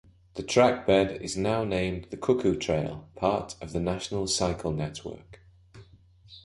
The trackbed is now named the Cuckoo Trail, part of the National Cycle Network.